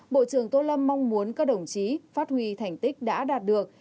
bộ trưởng tô lâm mong muốn các đồng chí phát huy thành tích đã đạt được